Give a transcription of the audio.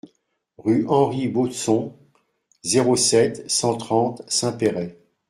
Rue Henri Baudson, zéro sept, cent trente Saint-Péray